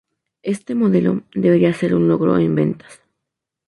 Este modelo, debería ser un logro en ventas.